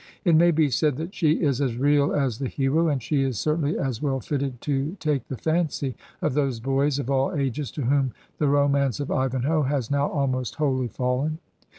It may be said that she is as real as the hero, and she is certainly as well fitted to take the fancy of those boys of all ages to whom the romance of ''Ivanhoe" has now almost wholly fallen.